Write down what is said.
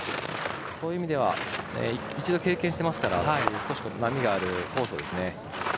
そういう意味では一度経験していますから少し波があるコースを。